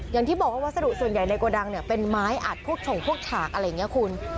อย่างที่บอกว่าวัสดุส่วนใหญ่ในโกดังเนี่ยเป็นไม้อัดพวกฉงพวกฉากอะไรอย่างนี้คุณ